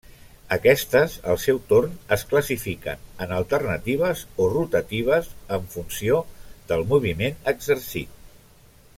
Aquestes al seu torn es classifiquen en alternatives o rotatives en funció del moviment exercit.